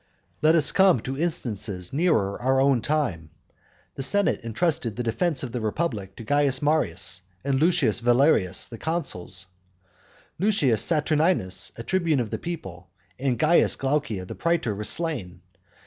V. Let us come to instances nearer our own time. The senate entrusted the defence of the republic to Caius Marius and Lucius Valerius, the consuls; Lucius Saturninus, a tribune of the people, and Caius Glaucia the praetor, were slain.